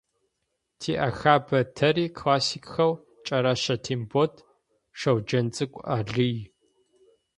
Тиӏэхэба тэри классикхэу Кӏэрэщэ Тембот, Шэуджэнцӏыкӏу Алый…